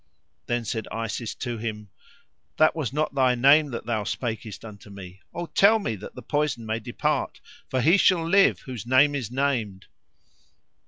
Then said Isis to him, "That was not thy name that thou spakest unto me. Oh tell it me, that the poison may depart; for he shall live whose name is named."